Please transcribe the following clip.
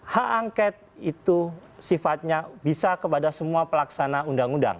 hak angket itu sifatnya bisa kepada semua pelaksana undang undang